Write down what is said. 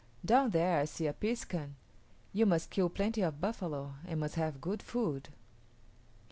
Down there I see a piskun; you must kill plenty of buffalo and must have good food."